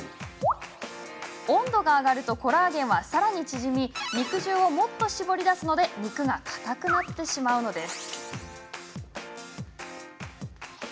温度が上がるとコラーゲンは、さらに縮み肉汁をもっと絞り出すので肉がかたくなってしまうのです。